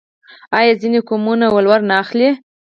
آیا ځینې قومونه ولور نه اخلي؟